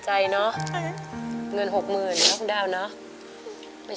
สุดท้าย